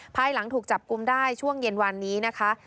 ภายหลังถูกจับกลุ่มได้ช่วงเย็นวันนี้นะคะ